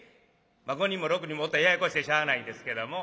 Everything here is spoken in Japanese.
まあ５人も６人もおったらややこしてしゃあないんですけども。